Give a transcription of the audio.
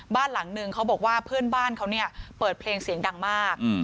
บ้านหลังนึงเขาบอกว่าเพื่อนบ้านเขาเนี่ยเปิดเพลงเสียงดังมาก